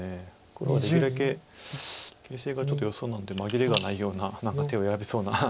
黒はできるだけ形勢がちょっとよさそうなので紛れがないような手を選びそうな。